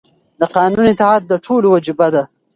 د قانون اطاعت د ټولو وجیبه ده.